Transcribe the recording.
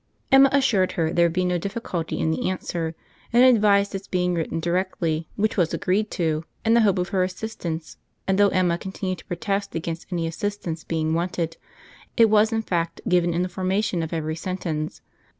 Emma assured her there would be no difficulty in the answer, and advised its being written directly, which was agreed to, in the hope of her assistance; and though Emma continued to protest against any assistance being wanted, it was in fact given in the formation of every sentence.